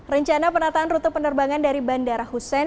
rencana penataan rute penerbangan dari bandara hussein